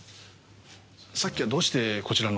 さっきはどうしてこちらのお宅を？